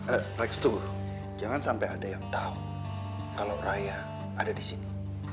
eee reks tunggu jangan sampai ada yang tahu kalau raya ada di sini